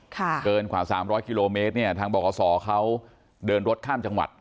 เกิน๓๐๐กิโลเมตรทางบรขสอเขาเดินรถข้ามจังหวัด